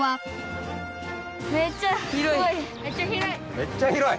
めっちゃ広い。